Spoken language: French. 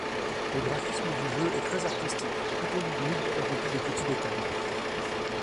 Le graphisme du jeu est très artistique, plutôt lugubre et rempli de petits détails.